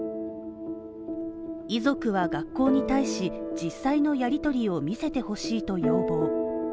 遺族は学校に対し、実際のやりとりを見せてほしいと要望。